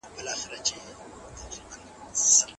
ککړ خواړه د انسان په بدن کې د مسمومیت سبب ګرځي.